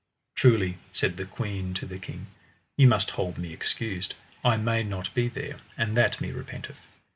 Truly, said the queen to the king, ye must hold me excused, I may not be there, and that me repenteth.